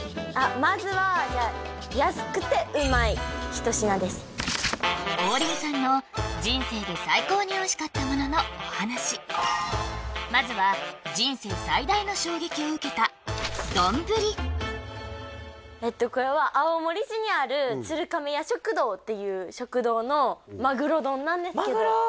まずはじゃあ安くてうまい一品です王林さんの人生で最高においしかったもののお話まずはこれは青森市にある鶴亀屋食堂っていう食堂のマグロ丼なんですけどマグロ？